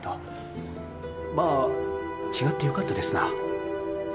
まあ違ってよかったですな。